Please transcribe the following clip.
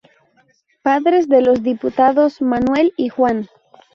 Padres de los diputados Manuel y Juan.